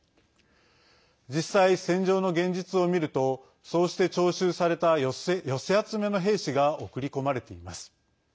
実際、戦場の現実を見るとそうして徴集された寄せ集めの兵士が送り込まれています。